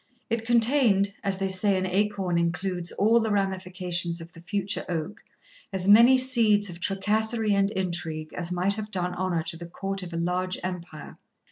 It contained, as they say an acorn includes all the ramifications of the future oak, as many seeds of tracasserie and intrigue as might have done honour to the court of a large empire.